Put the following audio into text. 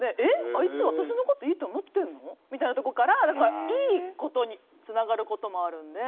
あいつ私のこといいと思ってんの？みたいなことから、いいことにつながることもあるので。